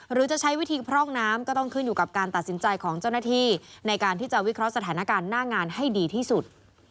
หรือจะใช้วิธีพร่องน้ำก็ต้องขึ้นอยู่กับการตัดสินใจของเจ้าหน้าที่ในการที่จะวิเคราะห์สถานการณ์หน้างานให้ดีที่สุด